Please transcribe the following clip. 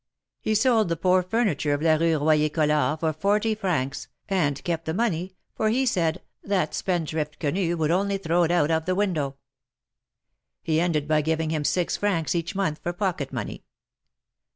He sold the poor furniture of la Rue Royer Collard for forty francs, and kept the money, for he said ^^that spendthrift, Quenu, would only throAV it out of the window.^^ He ended by giving him six francs each month for pocket money.